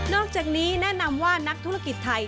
อกจากนี้แนะนำว่านักธุรกิจไทย